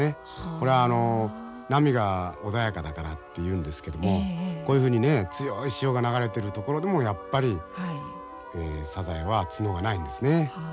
これは波が穏やかだからっていうんですけどもこういうふうに強い潮が流れてる所でもやっぱりサザエは角がないんですね。